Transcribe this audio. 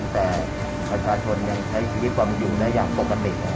แต่ประชาชนยังใช้ชีวิตความอยู่ได้อย่างปกติ